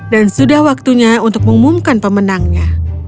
dan sudah waktunya untuk mengumumkan pemenangnya